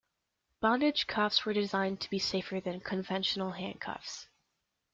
Bondage cuffs are designed to be safer than conventional handcuffs.